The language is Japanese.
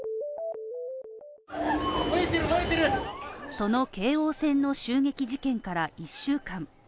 その京王線の襲撃事件から１週間。